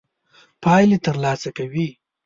پايلې تر لاسه کوي.